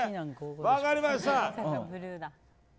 分かりました。